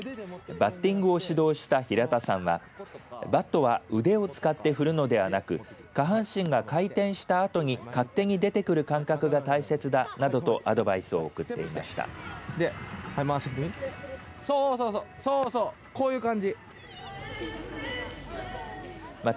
バッティングを指導した平田さんはバットは腕を使って振るのではなく下半身が回転したあとに勝手に出てくる感覚が大切だなどとアドバイスを送っていました。